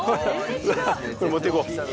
これ持っていこう！